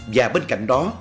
và bên cạnh đó